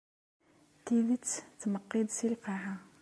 Tidet tmeqqi-d si lqaɛa.